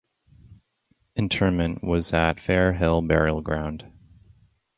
Interment was at Fair Hill Burial Ground.